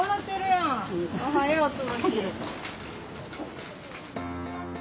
おはよう椿。